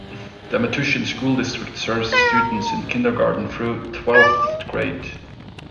The Metuchen School District serves students in kindergarten through twelfth grade.